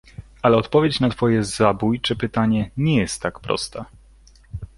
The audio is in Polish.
"Ale odpowiedź na twoje zabójcze pytanie nie jest tak prosta."